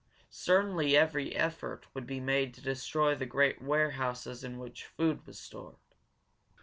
Certainly every effort would be made to destroy the great warehouses in which food was stored.